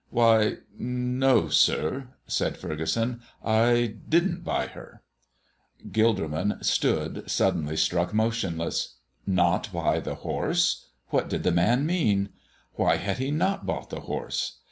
"Why no, sir," said Furgeson, "I didn't buy her." Gilderman stood, suddenly struck motionless. Not buy the horse! What did the man mean? Why had he not bought the horse?